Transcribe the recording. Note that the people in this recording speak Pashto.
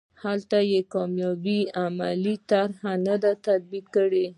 هلته یې کامیابه عملي طرحه نه ده تطبیق کړې.